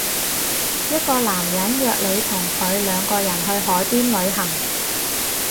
一個男人約你同佢兩個人去海邊旅行